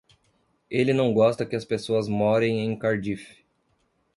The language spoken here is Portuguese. Ele não gosta que as pessoas morem em Cardiff.